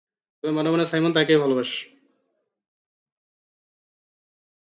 তবে মনে মনে সাইমন তাকেও ভালোবাসে।